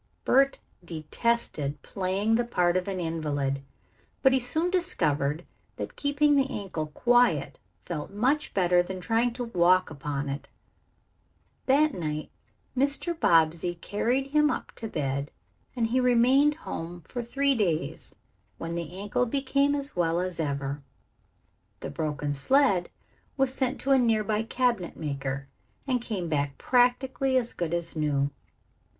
Bert detested playing the part of an invalid, but he soon discovered that keeping the ankle quiet felt much better than trying to walk around upon it. That night Mr. Bobbsey carried him up to bed, and he remained home for three days, when the ankle became as well as ever. The broken sled was sent to a nearby cabinet maker, and came back practically as good as new.